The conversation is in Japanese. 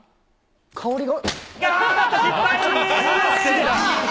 香りが。